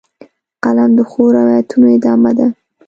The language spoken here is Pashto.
قلم د ښو روایتونو ادامه ده